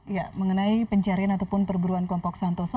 ya mengenai pencarian ataupun perburuan kelompok santoso